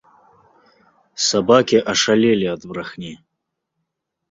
Сабакі ашалелі ад брахні.